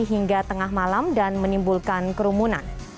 hingga tengah malam dan menimbulkan kerumunan